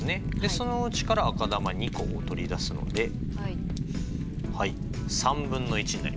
そのうちから赤球２個を取り出すのではい３分の１になりますね。